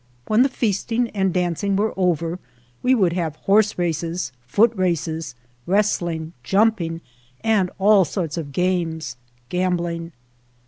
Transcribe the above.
When the feasting and dancing were over we would have horse races, foot races, wrestling, jumping, and all sorts of games (gambling).